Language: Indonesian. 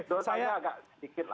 dosanya agak sedikit